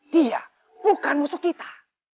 dia bukan musuh kita